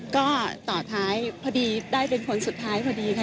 ก็ต่อท้ายพอดีได้เป็นคนสุดท้ายพอดีค่ะ